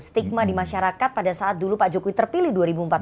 stigma di masyarakat pada saat dulu pak jokowi terpilih dua ribu empat belas